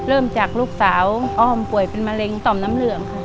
เริ่มจากลูกสาวอ้อมป่วยเป็นมะเร็งต่อมน้ำเหลืองค่ะ